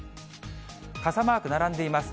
傘マーク並んでいます。